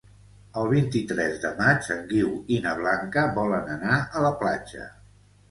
El vint-i-tres de maig en Guiu i na Blanca volen anar a la platja.